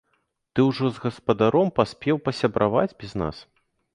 Ты ўжо з гаспадаром паспеў пасябраваць без нас?